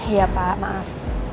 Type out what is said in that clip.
iya pak maaf